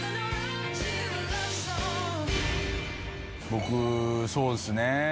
僕そうですね。